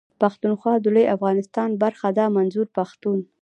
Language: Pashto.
پښتونخوا د لوی افغانستان برخه ده منظور پښتون.